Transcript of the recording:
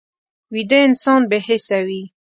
ویده انسان بې حسه وي